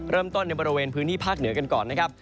ในบริเวณพื้นที่ภาคเหนือกันก่อนนะครับ